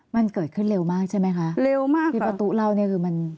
มันเกิดขึ้นเร็วมากใช่ไหมคะเร็วมากที่ประตูเล่าเนี่ยคือมัน